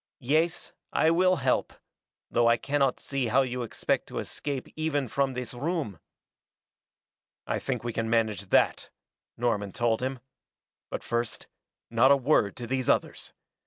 Yes, I will help, though I cannot see how you expect to escape even from this room." "I think we can manage that," Norman told him. "But first not a word to these others.